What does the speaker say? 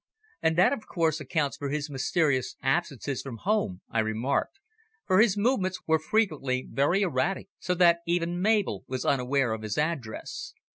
"And that, of course, accounts for his mysterious absences from home," I remarked, for his movements were frequently very erratic, so that even Mabel was unaware of his address.